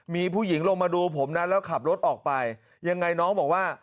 มีผู้หญิงลงมาดูผมนะแล้วขับรถออกไปยังไงน้องบอกว่า